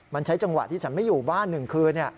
มันใช้จังหวะที่ฉันไม่อยู่บ้าน๑คืน